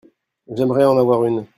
J'aimerais en avoir une.